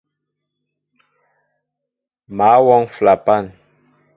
Mă wɔŋ flapan.